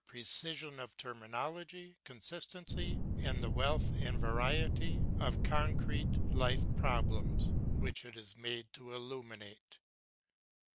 precision of terminology, consistency, and the wealth and variety of concrete life problems which it is made to illuminate.